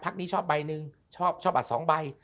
นี้ชอบใบหนึ่งชอบบัตร๒ใบ